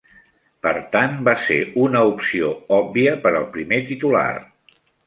Per tant, va ser una opció òbvia per al primer titular.